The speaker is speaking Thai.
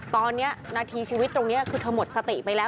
ตอนนี้นาทีชีวิตตรงนี้คือเธอหมดสติไปแล้ว